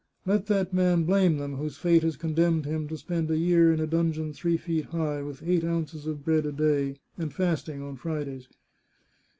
Let that man blame them whose fate has condemned him to spend a year in a dun geon three feet high, with eight ounces of bread a day, and fasting on Fridays!